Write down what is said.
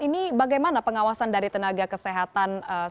ini bagaimana pengawasan dari tenaga kesehatan